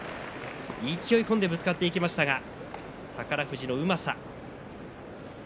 勢い込んでぶつかっていきましたが宝富士のうまさ。